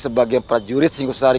sebagian prajurit singosari